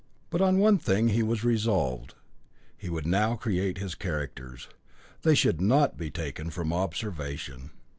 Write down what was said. But on one thing he was resolved. He would now create his characters. They should not be taken from observation.